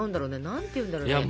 何て言うんだろうね。